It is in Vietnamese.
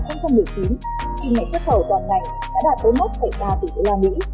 khi nghề xuất khẩu toàn ngành đã đạt bốn mươi một ba tỷ usd